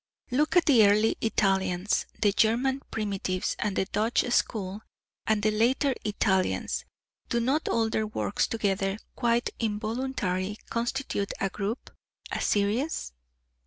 Look at the early Italians, the German Primitives, the Dutch School, and the later Italians do not all their works together quite involuntarily constitute a group, a series?